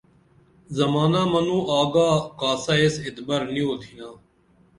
زمانہ منوں آگا کاسہ ایس اتبر نی اُتِھنا